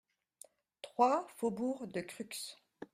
trois faubourg de Crux